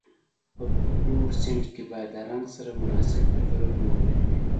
په فلورسنټ کې باید د رنګ سره مناسب فلټرونه موجود وي.